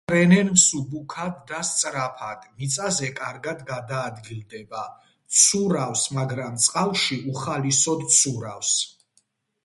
ფრენენ მსუბუქად და სწრაფად, მიწაზე კარგად გადაადგილდება; ცურავს, მაგრამ წყალში უხალისოდ ცურავს.